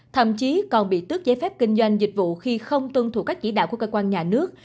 thậm chí còn bị tước giấy phép kinh doanh dịch vụ khi không tuân thủ các chỉ đạo của cơ quan nhà nước